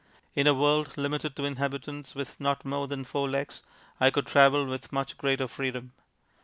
In a world limited to inhabitants with not more than four legs I could travel with much greater freedom.